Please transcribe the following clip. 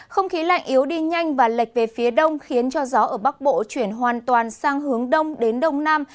không khí lạnh yếu đi nhanh và lệch về phía đông khiến cho gió ở bắc bộ chuyển hoàn toàn sang hướng đông đến đông nam